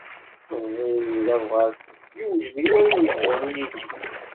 Meẓẓi, d abɣas, yewjed i wayen yebɣun yili.